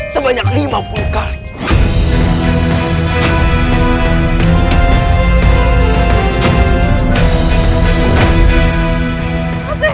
sebanyak lima puluh kali